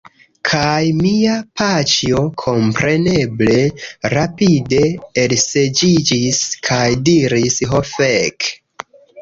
Kaj mia paĉjo, kompreneble, rapide elseĝiĝis, kaj diris: "Ho fek!"